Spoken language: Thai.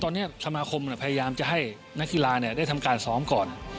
ตอนนี้ธรรมาคมพยายามจะให้นักกีฬาการซ้อมก่อน